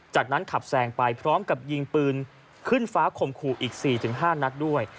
จากนั้นขับแซงไปพร้อมกับยิงปืนขึ้นฟ้าข่มขู่อีก๔๕นัดด้วย